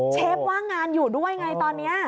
เชฟว่างงานอยู่ด้วยไงตอนนี้